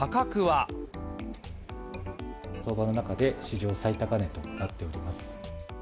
相場の中で史上最高値となっております。